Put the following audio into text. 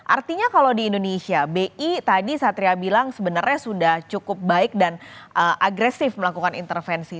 artinya kalau di indonesia bi tadi satria bilang sebenarnya sudah cukup baik dan agresif melakukan intervensi